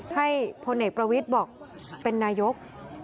พลเอกประวิทย์บอกเป็นนายก